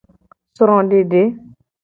Srodede.